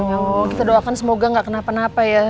kita doakan semoga gak kenapa napa ya